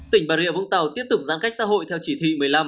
tỉnh bà rịa vũng tàu tiếp tục giãn cách xã hội theo chỉ thị một mươi năm